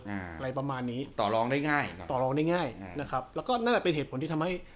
อะไรประมาณนี้ต่อรองได้ง่ายต่อรองได้ง่ายนะครับแล้วก็นั่นแหละเป็นเหตุผลที่ทำให้